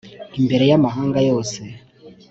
imbere y’amahanga yose.